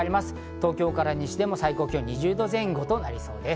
東京から西でも最高気温２０度前後となりそうです。